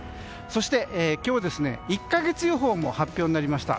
そして今日、１か月予報も発表になりました。